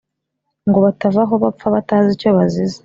ngo batava aho bapfa batazi icyo bazize.